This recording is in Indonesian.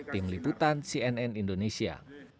tim liputan cnn indonesia